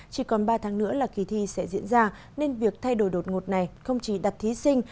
chỉ còn ba tháng nữa là kỳ thi sẽ diễn ra nên việc thay đổi đột ngột này không chỉ đặt thí sinh